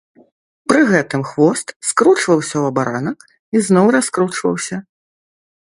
Пры гэтым хвост скручваўся ў абаранак і зноў раскручваўся.